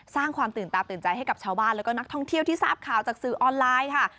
สร้างความตื่นตาตื่นใจให้กับชาวบ้านแล้วก็นักท่องเที่ยวที่ทราบข่าวจากสื่อออนไลน์ค่ะ